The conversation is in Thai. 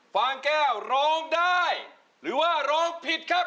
ฟังแก้วโรงได้หรือว่าโรงผิดครับ